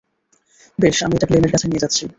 বেশ, আমি এটা ক্লেমের কাছে নিয়ে যাচ্ছি।